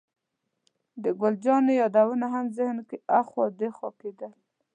د ګل جانې یادونه مې ذهن کې اخوا دېخوا کېدل.